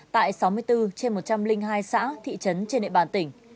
tại sáu mươi bốn trên một trăm linh hai xã thị trấn trên địa bàn tỉnh